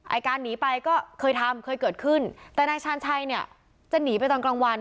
ไอ้การหนีไปก็เคยทำเคยเกิดขึ้นแต่นายชาญชัยเนี่ยจะหนีไปตอนกลางวัน